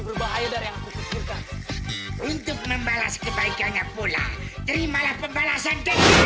untuk membalas kebaikannya pula terimalah pembalasan